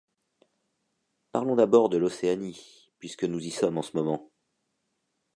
Parlons d’abord de l’Océanie, puisque nous y sommes en ce moment.